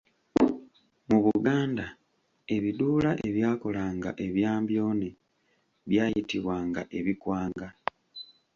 Mu Buganda ebiduula ebyakolanga ebyambyone byayitibwanga ebikwanga.